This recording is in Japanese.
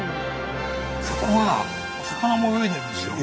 そこは魚も泳いでるんですよ。